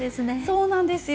そうなんですよ。